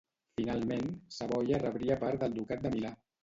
Finalment, Savoia rebria part del ducat de Milà.